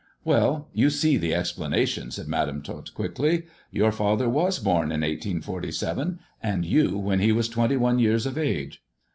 Well, you see the explanation," said Madam Tot quickly. "Your father was born in 1847, and you when he was twenty one years of age."